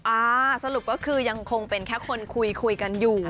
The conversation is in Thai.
อ่าสรุปก็คือยังคงเป็นแค่คนคุยคุยกันอยู่